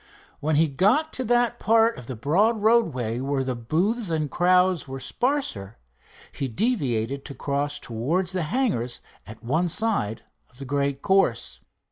When he got to that part of the broad roadway where the booths and crowds were sparser, he deviated to cross towards the hangars at one side of the great course.